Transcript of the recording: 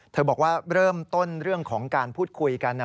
บอกว่าเริ่มต้นเรื่องของการพูดคุยกัน